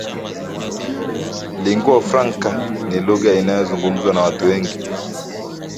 Lingua Franka -Ni lugha inayozungumzwa na watu wengi